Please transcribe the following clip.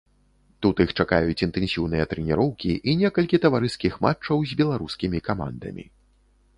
Тут іх чакаюць інтэнсіўныя трэніроўкі і некалькі таварыскіх матчаў з беларускімі камандамі.